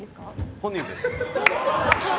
本人です。